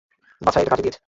বাছা, এটা কাজে দিয়েছে।